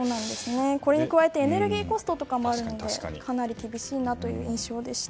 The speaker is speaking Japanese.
これに加えてエネルギーコストなどもあるのでかなり厳しい印象でした。